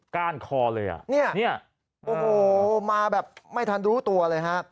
ก้านคอเลยนี่มาแบบไม่ทันรู้ตัวเลยฮะ